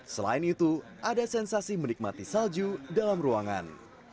selain itu ada sensasi menikmati salju dalam ruangan